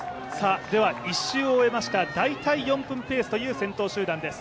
１周を終えました、大体４分ペースという先頭集団です。